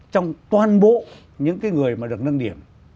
trong toàn bộ những cái người mà được nâng điểm